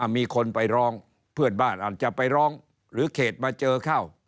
มีคนไปร้องเพื่อนบ้านอาจจะไปร้องหรือเขตมาเจอเข้า